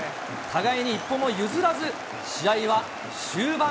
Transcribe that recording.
互いに一歩も譲らず、試合は終盤